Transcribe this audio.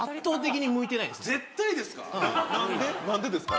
絶対ですか？